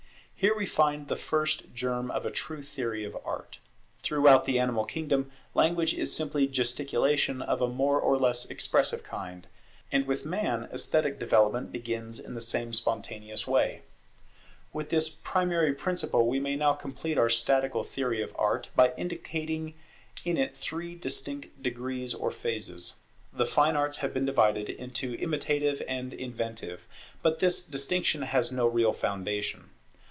Here we find the first germ of a true theory of Art. Throughout the animal kingdom language is simply gesticulation of a more or less expressive kind. And with man esthetic development begins in the same spontaneous way. [Three stages in the esthetic process: Imitation, Idealization, Expression] With this primary principle we may now complete our statical theory of Art, by indicating in it three distinct degrees or phases. The fine arts have been divided into imitative and inventive; but this distinction has no real foundation.